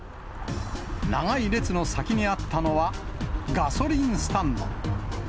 長い列の先にあったのは、ガソリンスタンド。